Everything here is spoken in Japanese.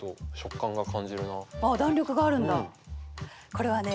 これはね